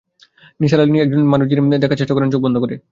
নিসার আলি এমন একজন মানুষ যিনি দেখার চেষ্টা করেন চোখ বন্ধ করে।